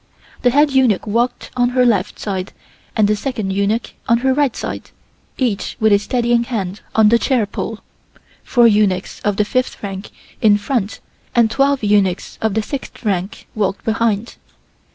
The head eunuch walked on her left side and the second eunuch on her right side, each with a steadying hand on the chair pole. Four eunuchs of the fifth rank in front and twelve eunuchs of the sixth rank walked behind.